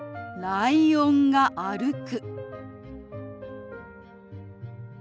「ライオンが歩く」。